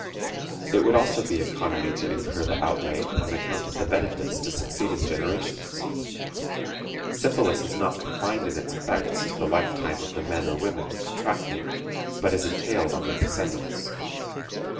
It would also be economy to incur the outlay on account of the benefits to succeeding generations. Syphilis is not confined in its effects to the life time of the men or women who contract it, but is entailed on their descendants.